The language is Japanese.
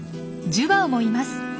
ジュバオもいます。